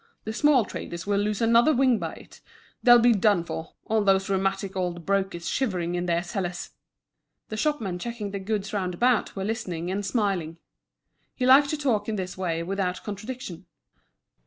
The small traders will lose another wing by it; they'll be done for, all those rheumatic old brokers shivering in their cellars!" The shopmen checking the goods round about were listening and smiling. He liked to talk in this way without contradiction.